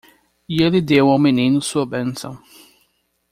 E ele deu ao menino sua bênção.